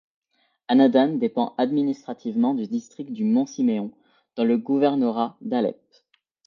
Anadan dépend administrativement du district du Mont Siméon dans le gouvernorat d'Alep.